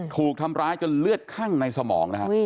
ถูกทำร้ายจนเลือดข้างในสมอง